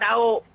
kalau nggak tahu